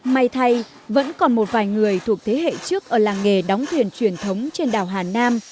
may thay vẫn còn một vài người thuộc thế hệ trước ở làng nghề đóng thuyền truyền thống trên đảo hà nam